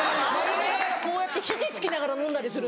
こうやって肘突きながら飲んだりする。